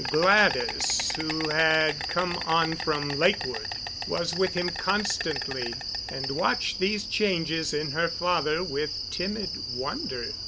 Gladys, who had come on from Lakewood, was with him constantly and watched these changes in her father with timid wonder.